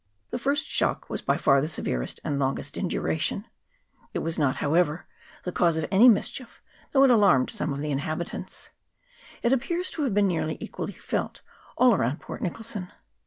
The first shock was by far the severest and longest in duration ; it was not, however, the cause of any mischief, though it alarmed some of the inhabit ants. It appears to have been nearly equally felt all around Port Nicholson.